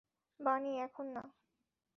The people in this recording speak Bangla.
বানি, এখন না।